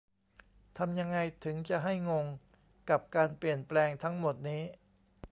ทำยังไงถึงจะให้งง กับ การเปลี่ยนแปลงทั้งหมดนี้